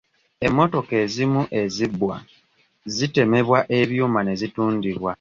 Emmotoka ezimu ezibbwa zitemebwa ebyuma ne bitundibwa.